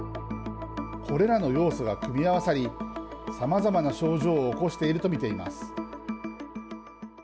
これらの要素が組み合わさりさまざまな症状を起こしていると見ています。